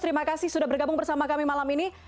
terima kasih sudah bergabung bersama kami malam ini